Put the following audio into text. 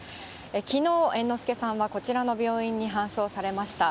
きのう、猿之助さんはこちらの病院に搬送されました。